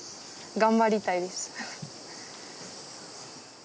頑張りたいです